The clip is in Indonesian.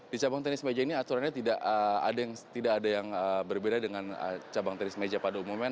di cabang tenis meja ini aturannya tidak ada yang berbeda dengan cabang tenis meja pada umumnya